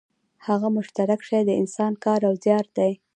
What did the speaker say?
هغه مشترک شی د انسان کار او زیار دی